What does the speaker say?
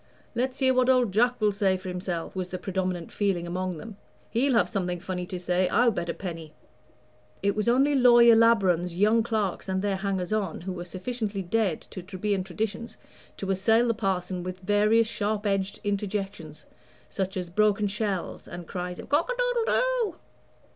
"Let's hear what old Jack will say for himself," was the predominant feeling among them; "he'll have something funny to say, I'll bet a penny." It was only Lawyer Labron's young clerks and their hangers on who were sufficiently dead to Trebian traditions to assail the parson with various sharp edged interjections, such as broken shells, and cries of "Cock a doodle doo."